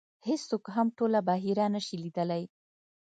هېڅوک هم ټوله بحیره نه شي لیدلی .